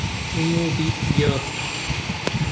توموکی گیا